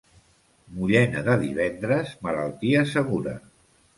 Mullena de divendres, malaltia segura.